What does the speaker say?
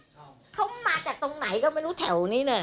เป็นเค้ามาจากตรงไหนก็ไม่รู้แถวนี้นะ